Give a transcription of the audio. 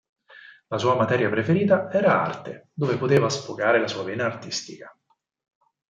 La sua materia preferita era arte, dove poteva sfogare la sua vena artistica.